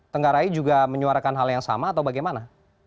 tenggarai juga menyuarakan hal yang sama atau bagaimana